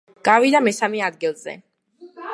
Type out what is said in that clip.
გავიდა მესამე ადგილზე.